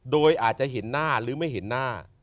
โดยอาจจะเห็นหน้าหรือไม่เห็นหน้า